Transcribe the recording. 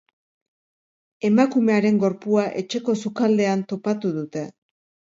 Emakumearen gorpua etxeko sukaldean topatu dute.